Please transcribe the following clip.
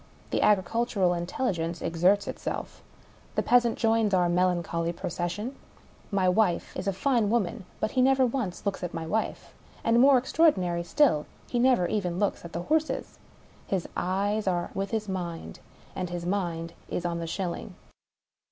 The agricultural intelligence exerts itself. The peasant joins our melancholy procession. My wife is a fine woman, but he never once looks at my wife — and, more extraordinary still, he never even looks at the horses. His eyes are with his mind — and his mind is on the shil ling.